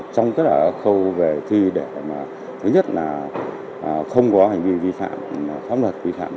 trong các khâu về thi thứ nhất là không có hành vi vi phạm pháp luật vi phạm